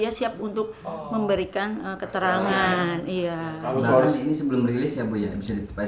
iya sebelum rilis dia ingin memberikan keterangan yang menguatkan kalau peggy memang betul ada di sana